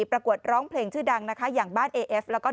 ประกวดร้องเพลงชื่อดังนะคะอย่างบ้านเอเอฟแล้วก็